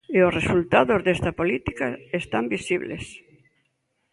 E os resultados desa política están visibles.